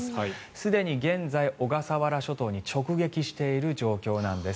すでに現在小笠原諸島に直撃している状況なんです。